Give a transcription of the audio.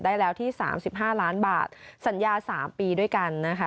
ได้แล้วที่๓๕ล้านบาทสัญญา๓ปีด้วยกันนะคะ